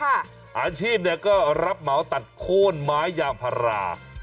อาชีพก็รับเหมาตัดโค้นไม้ยางพารา